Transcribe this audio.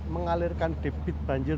mengalirkan debit banjir